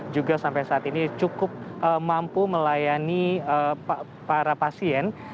juga sampai saat ini cukup mampu melayani para pasien